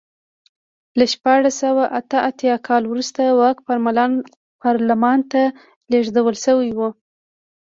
له شپاړس سوه اته اتیا کال وروسته واک پارلمان ته لېږدول شوی و.